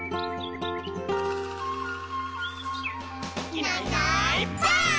「いないいないばあっ！」